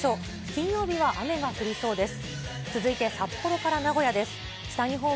金曜日は雨が降りそうです。